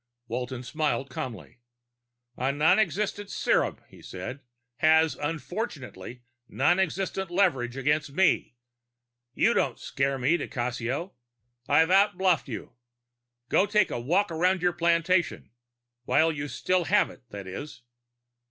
Walton smiled calmly. "A nonexistent serum," he said, "has, unfortunately, nonexistent leverage against me. You don't scare me, di Cassio. I've outbluffed you. Go take a walk around your plantation. While you still have it, that is."